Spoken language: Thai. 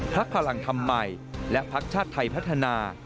พลังธรรมใหม่และพักชาติไทยพัฒนา